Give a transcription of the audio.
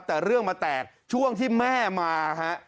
แต่เรื่องมาแตกช่วงที่แม่มาฮะ